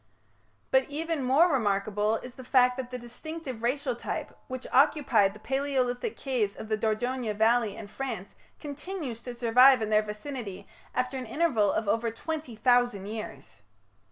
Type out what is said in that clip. But even more remarkable is the fact that the distinctive racial type which occupied the Palaeolithic caves of the Dordogne valley in France continues to survive in their vicinity after an interval of over twenty thousand years.